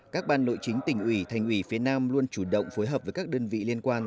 các ban nội chính tỉnh ủy thành ủy phía nam luôn chủ động phối hợp với các đơn vị liên quan